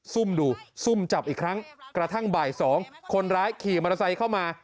ซุ่มดูซุ่มจับอีกครั้งกระทั่งบ่าย๒คนร้ายขี่มอเตอร์ไซค์เข้ามา